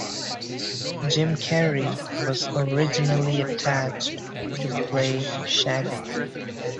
Jim Carrey was originally attached to play Shaggy.